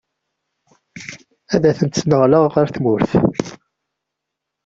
Ad ten-sneɣleɣ ɣer tmurt.